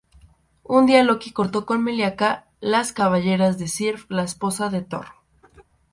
Un día Loki cortó con malicia las cabelleras de Sif, la esposa de Thor.